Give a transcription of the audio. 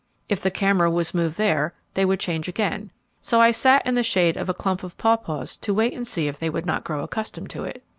If the camera was moved there, they would change again, so I sat in the shade of a clump of papaws to wait and see if they would not grow accustomed to it.